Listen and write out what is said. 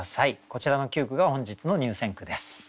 こちらの９句が本日の入選句です。